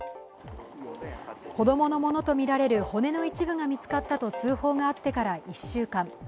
子供のものとみられる骨の一部が見つかったと通報があってから１週間。